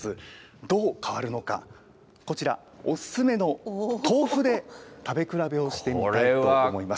どう変わるのか、こちら、お勧めの豆腐で食べ比べをしてみたいと思います。